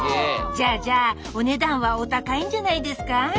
じゃあじゃあお値段はお高いんじゃないですか？